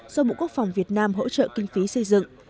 do bộ quốc phòng việt nam hỗ trợ kinh phí xây dựng